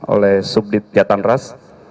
oleh subdit jatanras